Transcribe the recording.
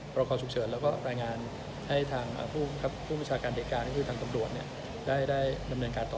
ปราการฉุกเฉินแล้วก็แปลงานตามผู้หนึกจักรหลายการ